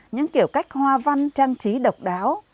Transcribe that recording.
những kiểu cách hoa văn trang trí độc đáo